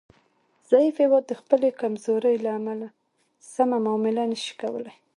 ضعیف هیواد د خپلې کمزورۍ له امله سمه معامله نشي کولای